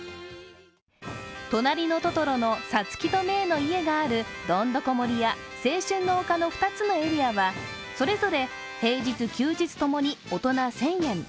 「となりのトトロ」のサツキとメイの家があるどんどこ森や青春の丘の２つのエリアはそれぞれ平日、休日ともに大人１０００円。